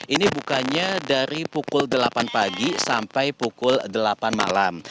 ini bukanya dari pukul delapan pagi sampai pukul delapan malam